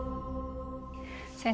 先生